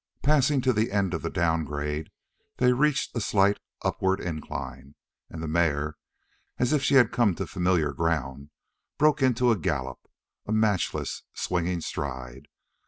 Passing to the end of the down grade, they reached a slight upward incline, and the mare, as if she had come to familiar ground, broke into a gallop, a matchless, swinging stride.